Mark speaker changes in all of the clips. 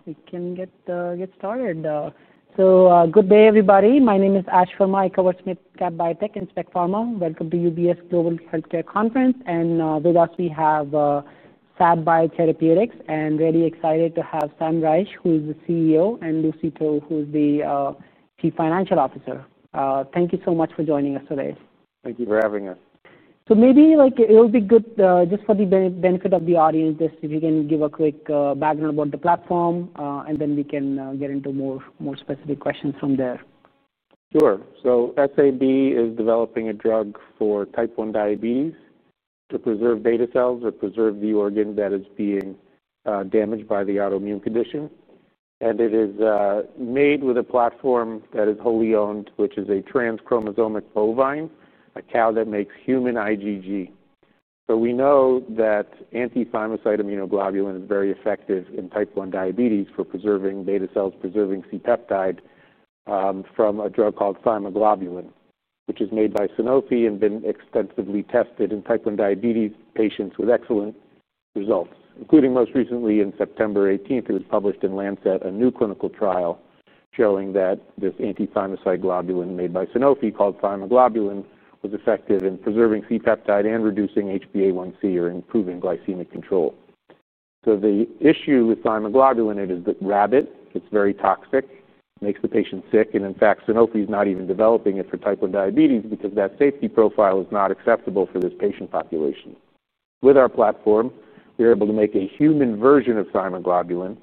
Speaker 1: All right. We can get started. Good day, everybody. My name is Ashwani Verma. I cover SAB Biotherapeutics, Inspect Pharma. Welcome to UBS Global Healthcare Conference. With us, we have SAB Biotherapeutics. Really excited to have Sam Reich, who is the CEO, and Lucy To, who is the Chief Financial Officer. Thank you so much for joining us today.
Speaker 2: Thank you for having us.
Speaker 1: Maybe, like, it'll be good, just for the benefit of the audience, just if you can give a quick background about the platform, and then we can get into more, more specific questions from there.
Speaker 2: Sure. SAB is developing a drug for type 1 diabetes to preserve beta cells or preserve the organ that is being damaged by the autoimmune condition. It is made with a platform that is wholly owned, which is a trans-chromosomic bovine, a cow that makes human IgG. We know that anti-thymocyte immunoglobulin is very effective in type 1 diabetes for preserving beta cells, preserving C-peptide, from a drug called Thymoglobulin, which is made by Sanofi and has been extensively tested in type 1 diabetes patients with excellent results. Including most recently, on September 18th, it was published in Lancet a new clinical trial showing that this anti-thymocyte globulin made by Sanofi called Thymoglobulin was effective in preserving C-peptide and reducing HbA1c or improving glycemic control. The issue with Thymoglobulin is it is the rabbit. It is very toxic. It makes the patient sick. In fact, Sanofi is not even developing it for type 1 diabetes because that safety profile is not acceptable for this patient population. With our platform, we're able to make a human version of Thymoglobulin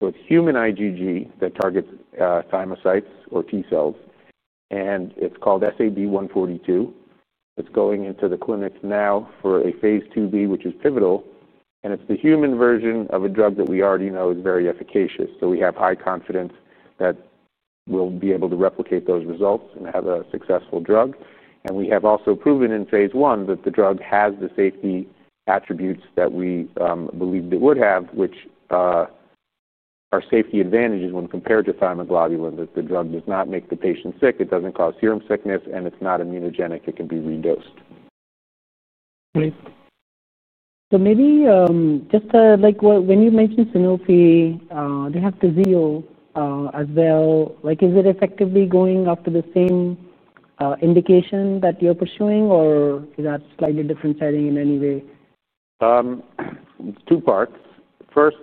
Speaker 2: with human IgG that targets thymocytes or T-cells. And it's called SAB-142. It's going into the clinics now for a phase 2b, which is pivotal. And it's the human version of a drug that we already know is very efficacious. We have high confidence that we'll be able to replicate those results and have a successful drug. We have also proven in phase one that the drug has the safety attributes that we believed it would have, which are safety advantages when compared to Thymoglobulin, that the drug does not make the patient sick, it doesn't cause serum sickness, and it's not immunogenic. It can be redosed.
Speaker 1: Great. Maybe, just, like, when you mentioned Sanofi, they have the TZIELD, as well. Is it effectively going after the same indication that you're pursuing, or is that a slightly different setting in any way?
Speaker 2: It's two parts. First,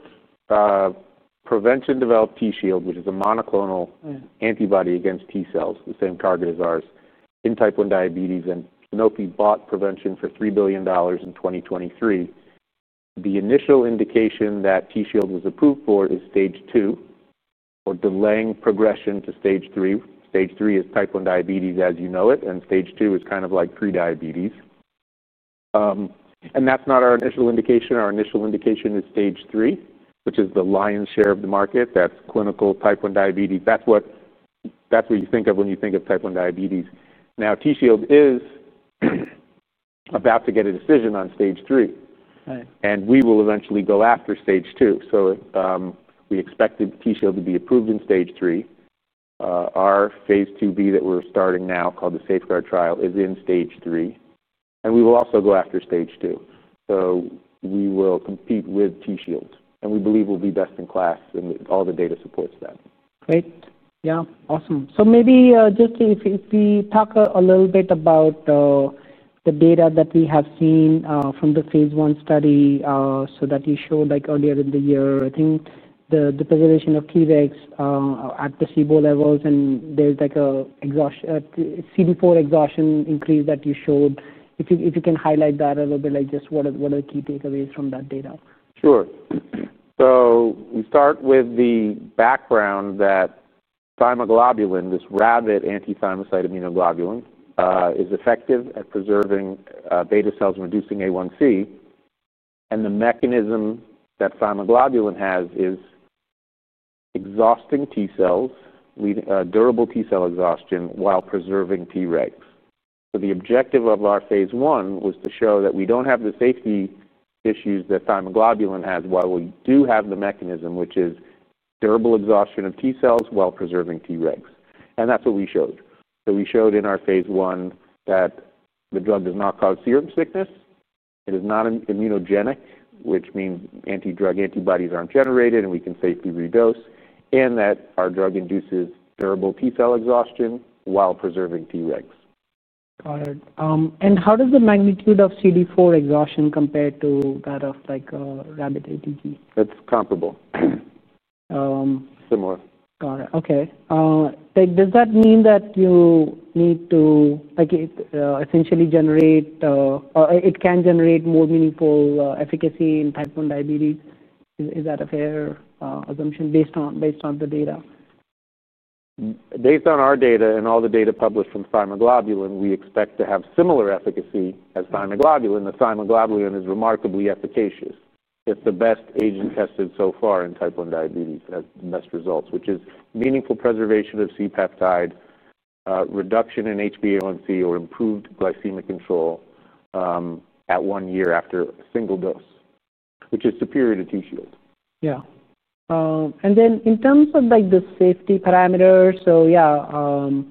Speaker 2: Prevention developed TZIELD, which is a monoclonal antibody against T-cells, the same target as ours, in type 1 diabetes. Sanofi bought Prevention for $3 billion in 2023. The initial indication that TZIELD was approved for is stage 2, or delaying progression to stage three. Stage three is type 1 diabetes as you know it. Stage two is kind of like prediabetes. That's not our initial indication. Our initial indication is stage three, which is the lion's share of the market. That's clinical type 1 diabetes. That's what you think of when you think of type 1 diabetes. Now, TZIELD is about to get a decision on stage three.
Speaker 1: Right.
Speaker 2: We will eventually go after stage two. We expected TZIELD to be approved in stage three. Our phase 2b that we're starting now called the Safeguard trial is in stage three. We will also go after stage two. We will compete with TZIELD. We believe we'll be best in class, and all the data supports that.
Speaker 1: Great. Yeah. Awesome. Maybe, just if, if we talk a little bit about the data that we have seen from the phase one study that you showed, like, earlier in the year, I think, the preservation of Tregs at the SABO levels, and there is, like, a CD4 exhaustion increase that you showed. If you can highlight that a little bit, like, just what are the key takeaways from that data?
Speaker 2: Sure. We start with the background that Thymoglobulin, this rabbit anti-thymocyte immunoglobulin, is effective at preserving beta cells and reducing A1C. The mechanism that Thymoglobulin has is exhausting T-cells, leading to durable T-cell exhaustion while preserving Tregs. The objective of our phase one was to show that we do not have the safety issues that Thymoglobulin has while we do have the mechanism, which is durable exhaustion of T-cells while preserving Tregs. That is what we showed. We showed in our phase one that the drug does not cause serum sickness, it is not immunogenic, which means anti-drug antibodies are not generated, and we can safely redose, and that our drug induces durable T-cell exhaustion while preserving Tregs.
Speaker 1: Got it. And how does the magnitude of CD4 exhaustion compare to that of, like, rabbit IgG?
Speaker 2: It's comparable. Similar.
Speaker 1: Got it. Okay. Like, does that mean that you need to, like, it essentially generate, or it can generate more meaningful efficacy in type 1 diabetes? Is that a fair assumption based on the data?
Speaker 2: Based on our data and all the data published from Thymoglobulin, we expect to have similar efficacy as Thymoglobulin. The Thymoglobulin is remarkably efficacious. It's the best agent tested so far in type 1 diabetes as the best results, which is meaningful preservation of C-peptide, reduction in HbA1c, or improved glycemic control, at one year after a single dose, which is superior to TZIELD.
Speaker 1: Yeah. And then in terms of, like, the safety parameters, so yeah,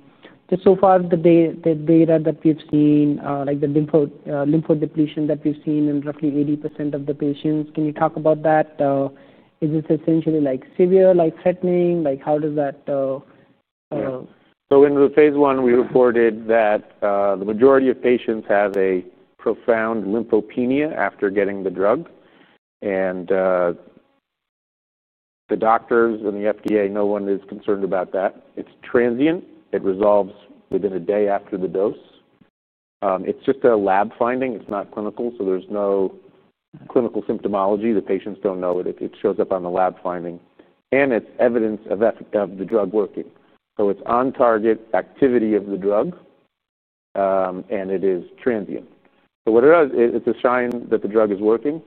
Speaker 1: just so far the data that we've seen, like, the lympho depletion that we've seen in roughly 80% of the patients, can you talk about that? Is this essentially, like, severe, like, threatening? Like, how does that,
Speaker 2: Yeah. So in the phase one, we reported that the majority of patients have a profound lymphopenia after getting the drug. The doctors and the FDA, no one is concerned about that. It's transient. It resolves within a day after the dose. It's just a lab finding. It's not clinical, so there's no clinical symptomology. The patients don't know it. It shows up on the lab finding. It's evidence of the drug working. It's on-target activity of the drug, and it is transient. What it does, it's a sign that the drug is working.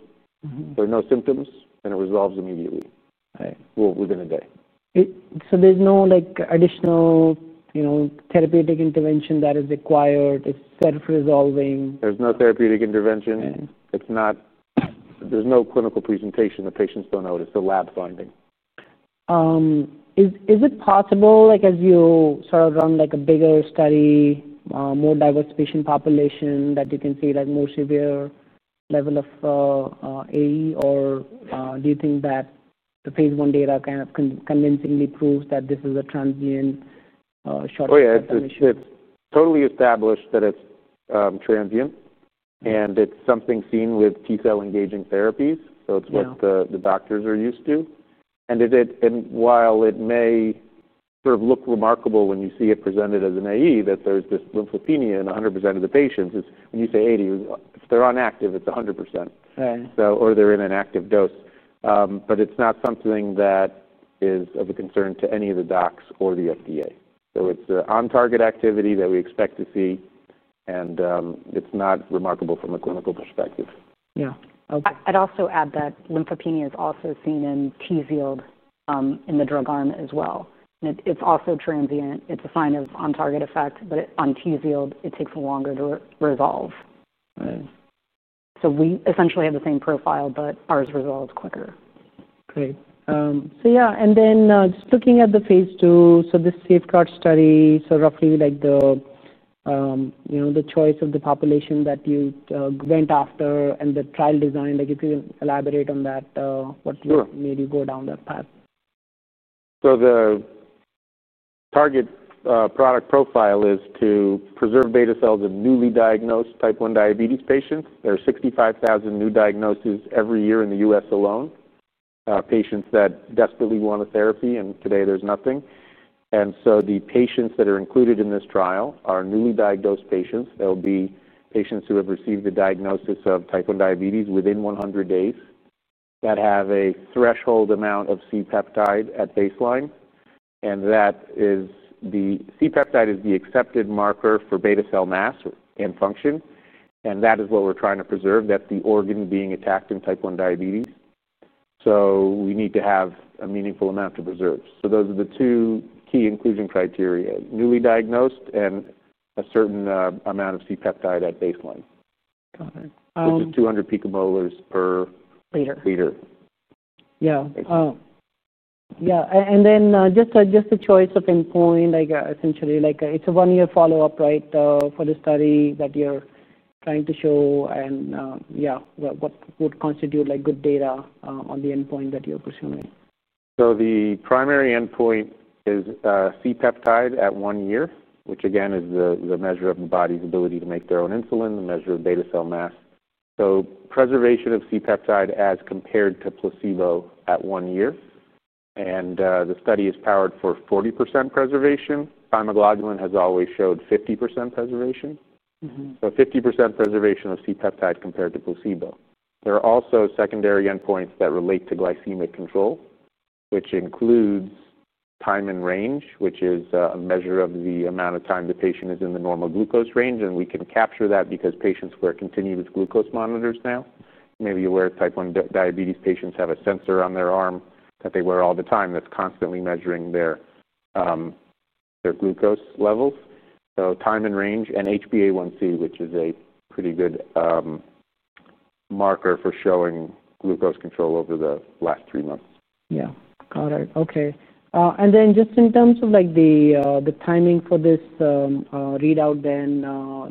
Speaker 1: Mm-hmm.
Speaker 2: There are no symptoms, and it resolves immediately.
Speaker 1: Right.
Speaker 2: Within a day.
Speaker 1: It, so there's no, like, additional, you know, therapeutic intervention that is required? It's self-resolving?
Speaker 2: There's no therapeutic intervention.
Speaker 1: Okay.
Speaker 2: It's not, there's no clinical presentation. The patients don't know. It's a lab finding.
Speaker 1: Is it possible, like, as you sort of run, like, a bigger study, more diverse patient population, that you can see, like, more severe level of AE? Or do you think that the phase one data kind of convincingly proves that this is a transient, short-term condition?
Speaker 2: Oh, yeah. It's, it's totally established that it's transient.
Speaker 1: Okay.
Speaker 2: It's something seen with T-cell engaging therapies. So it's what.
Speaker 1: Yeah.
Speaker 2: The doctors are used to. And while it may sort of look remarkable when you see it presented as an AE that there's this lymphopenia in 100% of the patients, it's when you say 80, if they're on active, it's 100%.
Speaker 1: Right.
Speaker 2: They're in an active dose, but it's not something that is of a concern to any of the docs or the FDA. It's an on-target activity that we expect to see, and it's not remarkable from a clinical perspective.
Speaker 1: Yeah. Okay.
Speaker 3: I'd also add that lymphopenia is also seen in TZIELD, in the drug arm as well. It's also transient. It's a sign of on-target effect, but on TZIELD, it takes longer to resolve.
Speaker 1: Right.
Speaker 3: We essentially have the same profile, but ours resolves quicker.
Speaker 1: Great. Yeah. And then, just looking at the phase two, this Safeguard study, so roughly, like, the, you know, the choice of the population that you went after and the trial design, like, if you can elaborate on that, what you.
Speaker 2: Sure.
Speaker 1: Maybe go down that path.
Speaker 2: The target product profile is to preserve beta cells in newly diagnosed type 1 diabetes patients. There are 65,000 new diagnoses every year in the US alone, patients that desperately want a therapy. Today, there's nothing. The patients that are included in this trial are newly diagnosed patients. They'll be patients who have received a diagnosis of type 1 diabetes within 100 days that have a threshold amount of C-peptide at baseline. C-peptide is the accepted marker for beta cell mass and function. That is what we're trying to preserve, the organ being attacked in type 1 diabetes. We need to have a meaningful amount to preserve. Those are the two key inclusion criteria: newly diagnosed and a certain amount of C-peptide at baseline.
Speaker 1: Got it.
Speaker 2: Which is 200 picomolars per.
Speaker 3: L.
Speaker 2: Liter.
Speaker 1: Yeah.
Speaker 2: Baseline.
Speaker 1: Yeah. And then, just the choice of endpoint, like, essentially, like, it's a one-year follow-up, right, for the study that you're trying to show. Yeah, what would constitute, like, good data, on the endpoint that you're pursuing?
Speaker 2: The primary endpoint is, C-peptide at one year, which, again, is the, the measure of the body's ability to make their own insulin, the measure of beta cell mass. Preservation of C-peptide as compared to placebo at one year. The study is powered for 40% preservation. Thymoglobulin has always showed 50% preservation.
Speaker 1: Mm-hmm.
Speaker 2: Fifty percent preservation of C-peptide compared to placebo. There are also secondary endpoints that relate to glycemic control, which includes time in range, which is a measure of the amount of time the patient is in the normal glucose range. We can capture that because patients wear continuous glucose monitors now. You may be aware type 1 diabetes patients have a sensor on their arm that they wear all the time that's constantly measuring their glucose levels. Time in range and HbA1c, which is a pretty good marker for showing glucose control over the last three months.
Speaker 1: Yeah. Got it. Okay. And then just in terms of, like, the timing for this readout then,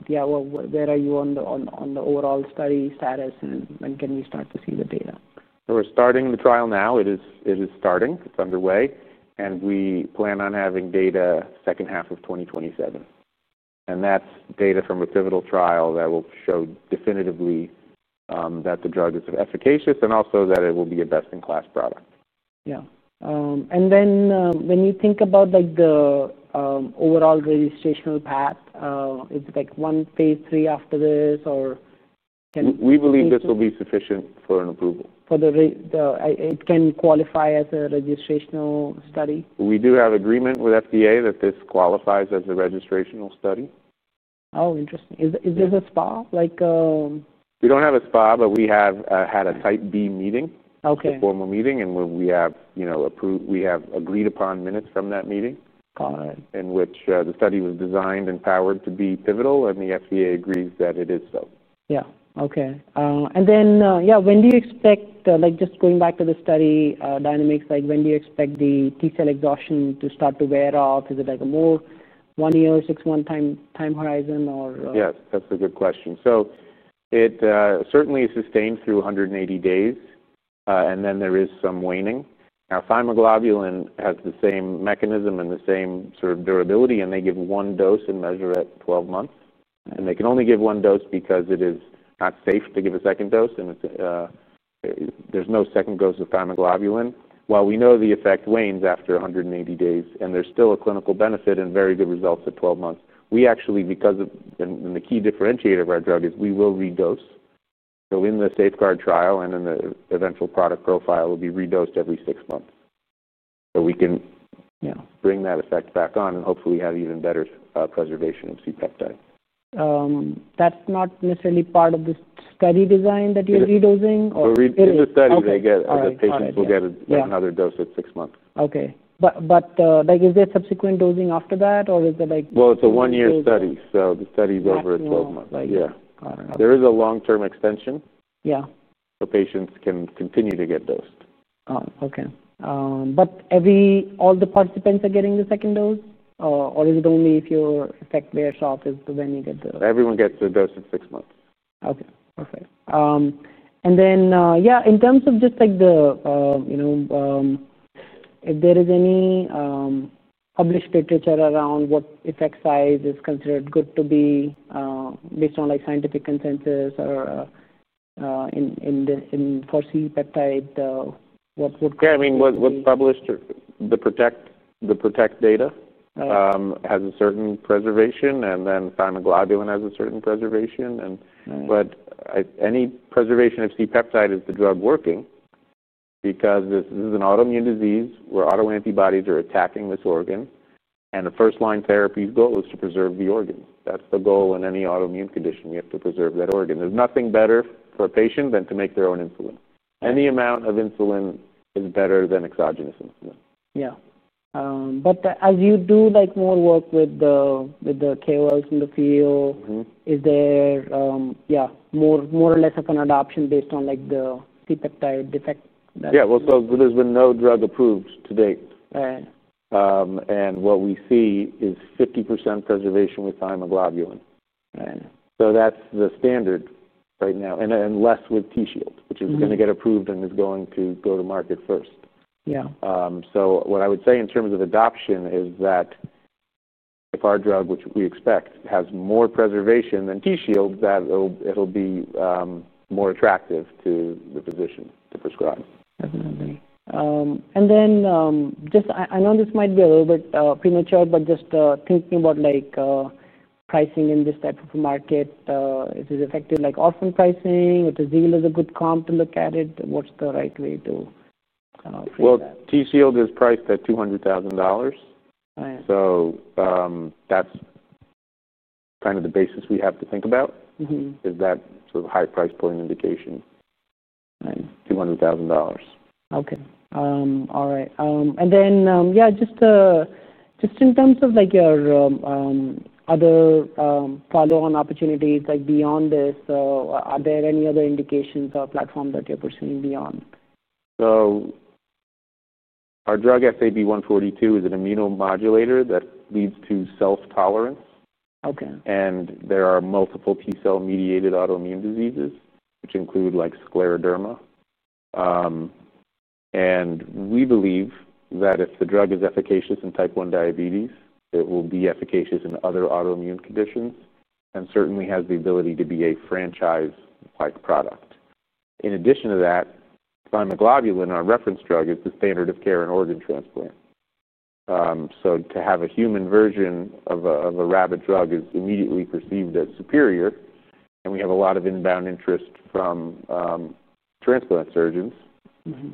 Speaker 1: yeah, where are you on the overall study status? And when can we start to see the data?
Speaker 2: We're starting the trial now. It is starting. It's underway. We plan on having data second half of 2027. That's data from a pivotal trial that will show definitively that the drug is efficacious and also that it will be a best-in-class product.
Speaker 1: Yeah. And then, when you think about, like, the overall registrational path, is it, like, one phase three after this, or can?
Speaker 2: We believe this will be sufficient for an approval.
Speaker 1: For the, it can qualify as a registrational study?
Speaker 2: We do have agreement with FDA that this qualifies as a registrational study.
Speaker 1: Oh, interesting. Is this a SPA, like,
Speaker 2: We don't have a SPA, but we have, had a type B meeting.
Speaker 1: Okay.
Speaker 2: It's a formal meeting. We have, you know, approved, we have agreed-upon minutes from that meeting.
Speaker 1: Got it.
Speaker 2: The study was designed and powered to be pivotal. The FDA agrees that it is so.
Speaker 1: Yeah. Okay. And then, yeah, when do you expect, like, just going back to the study dynamics, like, when do you expect the T-cell exhaustion to start to wear off? Is it, like, a more one-year, six-month time horizon, or,
Speaker 2: Yes. That's a good question. It certainly sustained through 180 days, and then there is some waning. Now, Thymoglobulin has the same mechanism and the same sort of durability. They give one dose and measure at 12 months. They can only give one dose because it is not safe to give a second dose. There is no second dose of Thymoglobulin. While we know the effect wanes after 180 days, and there is still a clinical benefit and very good results at 12 months, we actually, because of, and the key differentiator of our drug is we will redose. In the Safeguard trial and in the eventual product profile, it will be redosed every six months. We can, you know, bring that effect back on and hopefully have even better preservation of C-peptide.
Speaker 1: that's not necessarily part of the study design that you're redosing, or?
Speaker 2: Red in the study, they get.
Speaker 1: Okay.
Speaker 2: The patients will get another dose at six months.
Speaker 1: Okay. But, like, is there subsequent dosing after that, or is it, like, after?
Speaker 2: It's a one-year study. The study's over at 12 months.
Speaker 1: Oh, okay.
Speaker 2: Yeah.
Speaker 1: Got it.
Speaker 2: There is a long-term extension.
Speaker 1: Yeah.
Speaker 2: Patients can continue to get dosed.
Speaker 1: Oh, okay. But every, all the participants are getting the second dose, or is it only if your effect wears off is when you get the?
Speaker 2: Everyone gets a dose at six months.
Speaker 1: Okay. Perfect. And then, yeah, in terms of just, like, the, you know, if there is any published literature around what effect size is considered good to be, based on, like, scientific consensus or, in, in the, in for C-peptide, what, what?
Speaker 2: Yeah. I mean, what, what's published or the PROTECT, the PROTECT data.
Speaker 1: Right.
Speaker 2: has a certain preservation. And then Thymoglobulin has a certain preservation. And.
Speaker 1: Right.
Speaker 2: Any preservation of C-peptide is the drug working because this is an autoimmune disease where autoantibodies are attacking this organ. The first-line therapy's goal is to preserve the organ. That is the goal in any autoimmune condition. You have to preserve that organ. There is nothing better for a patient than to make their own insulin. Any amount of insulin is better than exogenous insulin.
Speaker 1: Yeah, but as you do, like, more work with the KOLs in the field.
Speaker 2: Mm-hmm.
Speaker 1: Is there, yeah, more or less of an adoption based on, like, the C-peptide effect that?
Speaker 2: Yeah. There's been no drug approved to date.
Speaker 1: Right.
Speaker 2: and what we see is 50% preservation with Thymoglobulin.
Speaker 1: Right.
Speaker 2: That's the standard right now, and less with TZIELD, which is gonna get approved and is going to go to market first.
Speaker 1: Yeah.
Speaker 2: What I would say in terms of adoption is that if our drug, which we expect, has more preservation than TZIELD, that it'll be more attractive to the physician to prescribe.
Speaker 1: Definitely. And then, just, I know this might be a little bit premature, but just thinking about, like, pricing in this type of market, is it effective, like, offering pricing? Would the TZIELD as a good comp to look at it? What's the right way to figure?
Speaker 2: TZIELD is priced at $200,000.
Speaker 1: Right.
Speaker 2: That's kind of the basis we have to think about.
Speaker 1: Mm-hmm.
Speaker 2: Is that sort of high price point indication?
Speaker 1: Right.
Speaker 2: $200,000.
Speaker 1: Okay. All right. And then, yeah, just in terms of, like, your other follow-on opportunities, like, beyond this, are there any other indications, platform that you're pursuing beyond?
Speaker 2: Our drug, SAB-142, is an immunomodulator that leads to self-tolerance.
Speaker 1: Okay.
Speaker 2: There are multiple T-cell-mediated autoimmune diseases, which include, like, scleroderma. We believe that if the drug is efficacious in type 1 diabetes, it will be efficacious in other autoimmune conditions and certainly has the ability to be a franchise-like product. In addition to that, Thymoglobulin, our reference drug, is the standard of care in organ transplant. To have a human version of a rabbit drug is immediately perceived as superior. We have a lot of inbound interest from transplant surgeons.
Speaker 1: Mm-hmm.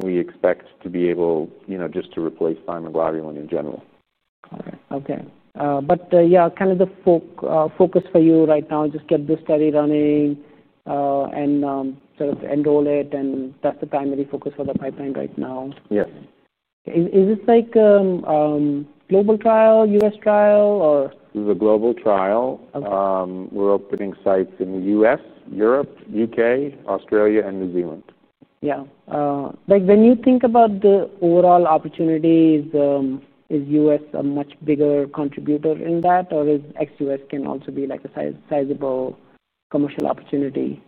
Speaker 2: We expect to be able, you know, just to replace Thymoglobulin in general.
Speaker 1: Got it. Okay, but, yeah, kind of the focus for you right now is just get this study running, and, sort of enroll it. That's the primary focus for the pipeline right now?
Speaker 2: Yes.
Speaker 1: Is this like, global trial, U.S. trial, or?
Speaker 2: This is a global trial.
Speaker 1: Okay.
Speaker 2: We're opening sites in the U.S., Europe, U.K., Australia, and New Zealand.
Speaker 1: Yeah. Like, when you think about the overall opportunities, is U.S. a much bigger contributor in that, or is XUS can also be, like, a sizable commercial opportunity?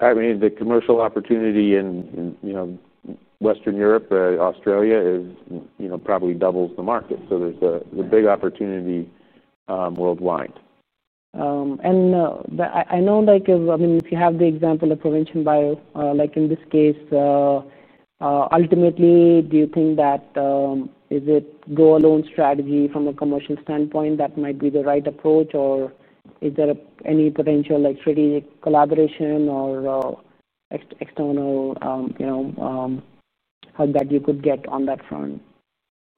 Speaker 2: I mean, the commercial opportunity in, you know, Western Europe, Australia is, you know, probably doubles the market. So there's a big opportunity, worldwide.
Speaker 1: I know, like, I mean, if you have the example of Prevention Bio, like, in this case, ultimately, do you think that, is it go-alone strategy from a commercial standpoint that might be the right approach, or is there any potential, like, strategic collaboration or external, you know, help that you could get on that front?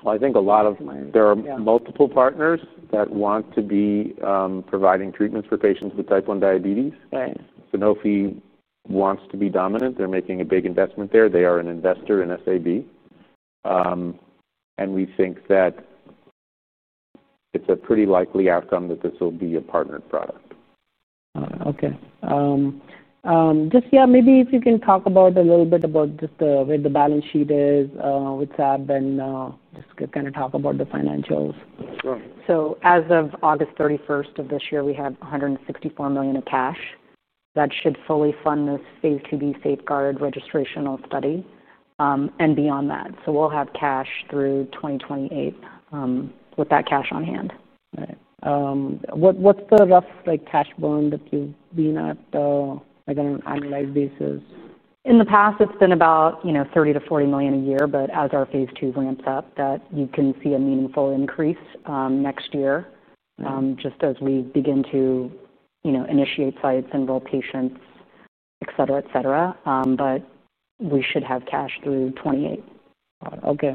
Speaker 2: I think a lot of.
Speaker 1: Right.
Speaker 2: There are multiple partners that want to be, providing treatments for patients with type 1 diabetes.
Speaker 1: Right.
Speaker 2: Sanofi wants to be dominant. They're making a big investment there. They are an investor in SAB, and we think that it's a pretty likely outcome that this will be a partnered product.
Speaker 1: Got it. Okay. Just, yeah, maybe if you can talk a little bit about just where the balance sheet is with SAB and just kind of talk about the financials.
Speaker 2: Sure.
Speaker 1: As of August 31 of this year, we have $164 million in cash that should fully fund this phase 2B Safeguard registrational study, and beyond that. We will have cash through 2028 with that cash on hand. Right. What's the rough, like, cash burn that you've been at, like, on an annual basis? In the past, it's been about, you know, $30-$40 million a year. As our phase two ramps up, you can see a meaningful increase next year.
Speaker 2: Right.
Speaker 1: just as we begin to, you know, initiate sites and roll patients, etc., etc., but we should have cash through 2028. Got it. Okay.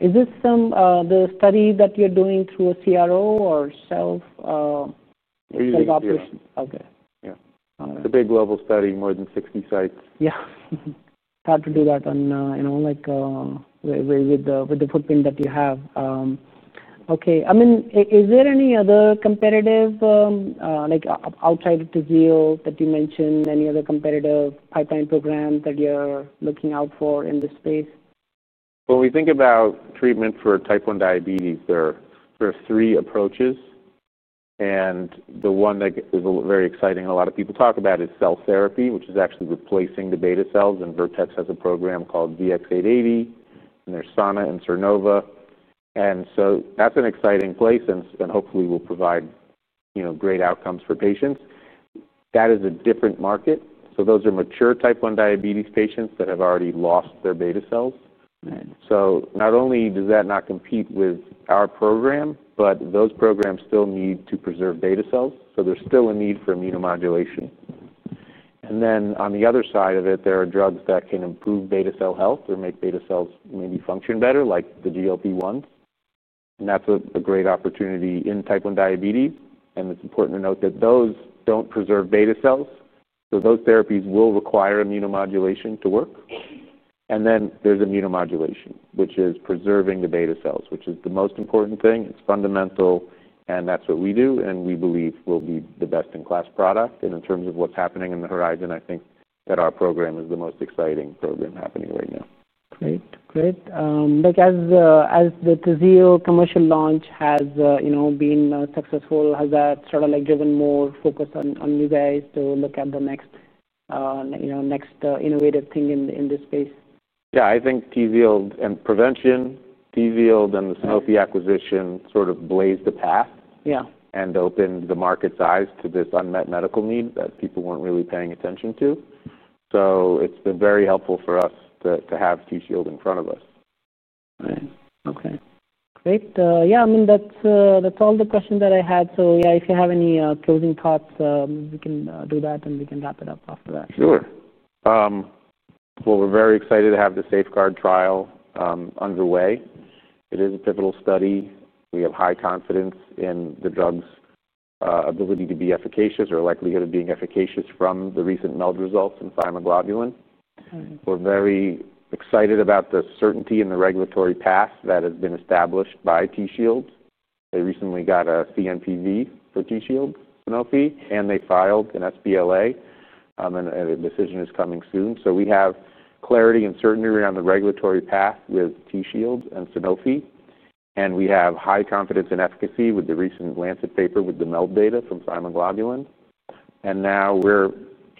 Speaker 1: Is this the study that you're doing through a CRO or self, self-operation? Okay.
Speaker 2: Yeah.
Speaker 1: Got it.
Speaker 2: It's a big global study, more than 60 sites.
Speaker 1: Yeah. It's hard to do that on, you know, like, with the footprint that you have. Okay. I mean, is there any other competitive, like, outside of the TZIELD that you mentioned? Any other competitive pipeline program that you're looking out for in this space?
Speaker 2: When we think about treatment for type 1 diabetes, there are three approaches. The one that is very exciting and a lot of people talk about is cell therapy, which is actually replacing the beta cells. Vertex has a program called VX-880. There is Sana and Sernova. That is an exciting place and hopefully will provide, you know, great outcomes for patients. That is a different market. Those are mature type 1 diabetes patients that have already lost their beta cells.
Speaker 1: Right.
Speaker 2: Not only does that not compete with our program, but those programs still need to preserve beta cells. There is still a need for immunomodulation. On the other side of it, there are drugs that can improve beta cell health or make beta cells maybe function better, like the GLP-1. That is a great opportunity in type 1 diabetes. It is important to note that those do not preserve beta cells. Those therapies will require immunomodulation to work. There is immunomodulation, which is preserving the beta cells, which is the most important thing. It is fundamental. That is what we do. We believe we will be the best-in-class product. In terms of what is happening on the horizon, I think that our program is the most exciting program happening right now.
Speaker 1: Great. Great. Like, as the TZIELD commercial launch has, you know, been successful, has that sort of, like, driven more focus on you guys to look at the next, you know, next innovative thing in this space?
Speaker 2: Yeah. I think TZIELD and Prevention, TZIELD and the Sanofi acquisition sort of blazed the path.
Speaker 1: Yeah.
Speaker 2: It opened the market's eyes to this unmet medical need that people were not really paying attention to. It has been very helpful for us to have TZIELD in front of us.
Speaker 1: Right. Okay. Great. Yeah, I mean, that's all the questions that I had. So yeah, if you have any closing thoughts, we can do that, and we can wrap it up after that.
Speaker 2: Sure. We are very excited to have the Safeguard trial underway. It is a pivotal study. We have high confidence in the drug's ability to be efficacious or likelihood of being efficacious from the recent MELD results in Thymoglobulin.
Speaker 1: Right.
Speaker 2: We're very excited about the certainty in the regulatory path that has been established by TZIELD. They recently got a CNPR for TZIELD, Sanofi. They filed an sBLA, and a decision is coming soon. We have clarity and certainty around the regulatory path with TZIELD and Sanofi. We have high confidence in efficacy with the recent Lancet paper with the MELD data from Thymoglobulin. Now we're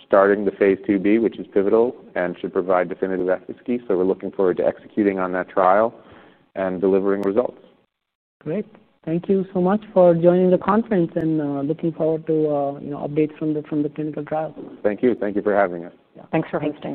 Speaker 2: starting the phase 2b, which is pivotal and should provide definitive efficacy. We're looking forward to executing on that trial and delivering results.
Speaker 1: Great. Thank you so much for joining the conference and, looking forward to, you know, updates from the clinical trial.
Speaker 2: Thank you. Thank you for having us.
Speaker 3: Yeah. Thanks for having us.